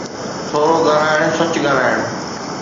ٿورو ڳالهائڻ، سچ ڳالهائڻ.